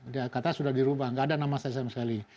dia kata sudah dirubah nggak ada nama saya sama sekali